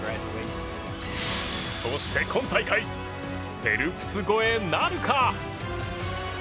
そして今大会フェルプス超えなるか！？